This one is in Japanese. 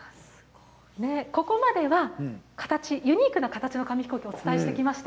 ここまではユニークな形の紙ヒコーキをお伝えしてきました。